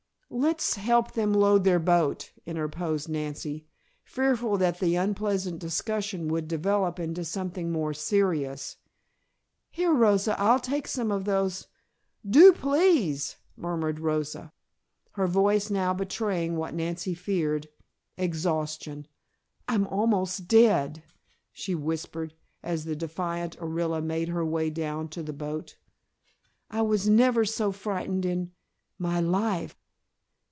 "Let's help them load their boat," interposed Nancy, fearful that the unpleasant discussion would develop into something more serious. "Here, Rosa, I'll take some of those " "Do please," murmured Rosa, her voice now betraying what Nancy feared exhaustion. "I'm almost dead," she whispered, as the defiant Orilla made her way down to the boat. "I was never so frightened in my life!"